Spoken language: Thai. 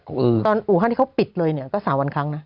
ตอนอู่ฮั่นที่เขาปิดเลยเนี่ยก็๓วันครั้งนะ